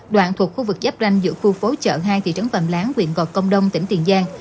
đoạn thuộc khu vực giáp ranh giữa khu phố chợ hai thị trấn phạm lán huyện gò công đông tỉnh tiền giang